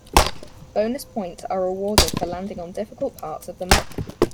Bonus points are awarded for landing on difficult parts of the map.